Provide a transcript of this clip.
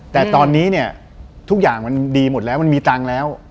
แต่ตอนนี้เนี่ยทุกอย่างมันดีหมดแล้วมันมีตังค์แล้ว